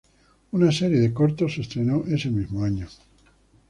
Una serie de cortos se estrenó ese mismo año.